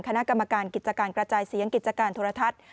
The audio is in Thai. คณะกรรมการกิจการกระจายเสียงกิจการโทรทัศน์